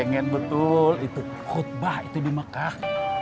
makanya saya pengen betul khutbah itu di mekah